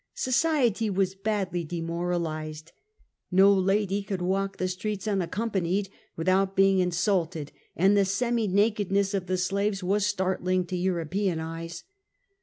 Society was badly demor alized. No lady could walk the streets unaccompanied without being insulted, and the semi nakedness of the slaves was start ling to European eyes.